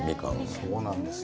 そうなんですよ。